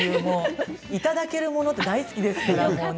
いただけるものは大好きですから。